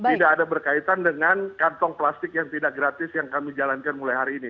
tidak ada berkaitan dengan kantong plastik yang tidak gratis yang kami jalankan mulai hari ini